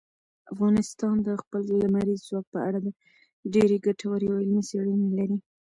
افغانستان د خپل لمریز ځواک په اړه ډېرې ګټورې او علمي څېړنې لري.